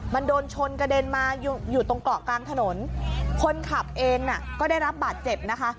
มันโดนชนกระเด็นมาอยู่ตรงเกาะกลางถนนคนขับเองน่ะก็ได้รับบาดเจ็บนะคะ